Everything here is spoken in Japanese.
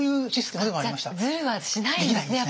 ズルはしないんですね